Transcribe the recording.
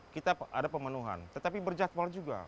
kita ada pemenuhan tetapi berjadwal juga